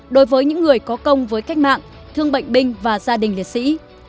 đối với những người có công với cách mạng thương bệnh binh và gia đình liệt sĩ